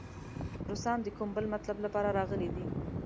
روسان د کوم بل مطلب لپاره راغلي دي.